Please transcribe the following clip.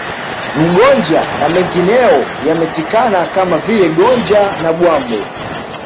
Mgonja na mengineyo yametikana Kama vile Gonja na Bwambo